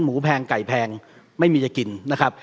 หมูแพงไก่แพงไม่มีอย่ากินนะครับ